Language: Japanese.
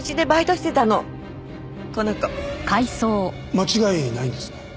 間違いないんですね？